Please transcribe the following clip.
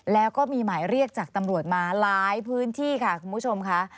แล้วก็มีหมายเรียกจากตำรวจมาหลายพื้นที่ค่ะคุณผู้ชมค่ะ